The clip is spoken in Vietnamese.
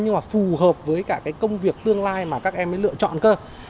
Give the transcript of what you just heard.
nhưng mà phù hợp với cả cái công việc tương lai mà các em mới lựa chọn cơ